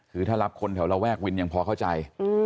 คือถ้ารับคนแถวระแวกวินยังพอเข้าใจ